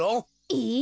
えっ？